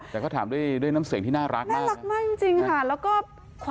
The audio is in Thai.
แต่ก็ถามด้วยน้ำเสียงที่น่ารักมาก